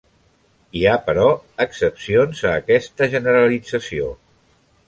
Hi ha, però, excepcions a aquesta generalització.